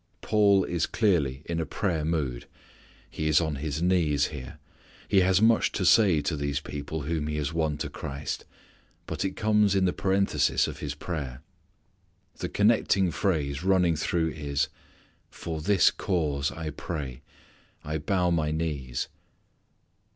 Paul is clearly in a prayer mood. He is on his knees here. He has much to say to these people whom he has won to Christ, but it comes in the parenthesis of his prayer. The connecting phrase running through is "for this cause I pray.... I bow my knees."